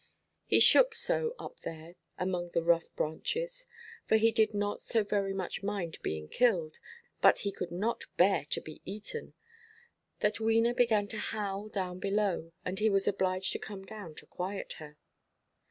He shook so up there among the rough branches—for he did not so very much mind, being killed, but he could not bear to be eaten—that Wena began to howl down below, and he was obliged to come down to quiet her.